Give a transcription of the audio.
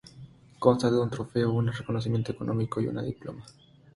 Consta de un trofeo, una reconocimiento económico y un diploma.